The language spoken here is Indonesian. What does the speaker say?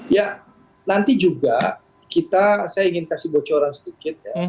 ya nanti juga kita saya ingin kasih bocoran sedikit ya